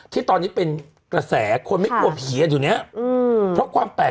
ที่ตอนนี้เป็นกระแสคนไม่กลัวเผียนอยู่มั๊ย